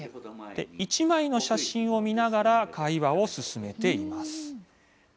１枚の写真を見ながら会話を進めています。